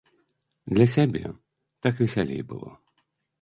Для сябе, так весялей было.